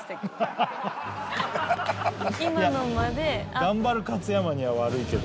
頑張るかつやまには悪いけど。